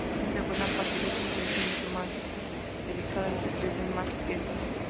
Esta segunda parte del proceso es mucho más delicada y se pierden más piezas.